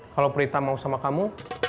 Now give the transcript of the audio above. kalau prita mau sama kamu